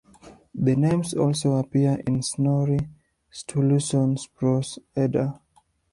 The names also appear in Snorri Sturluson's "Prose Edda".